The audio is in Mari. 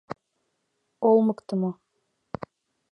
Олмыктымо.